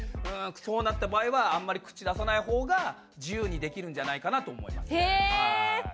そうなった場合はあんまり口出さないほうが自由にできるんじゃないかなと思いますね。